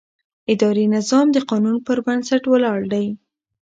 اداري نظام د قانون پر بنسټ ولاړ دی.